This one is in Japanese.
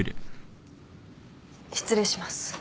失礼します。